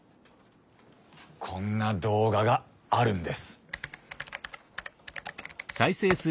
こんな動画があるんです。